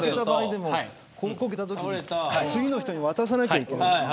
こけたときに次の人に渡さないといけない。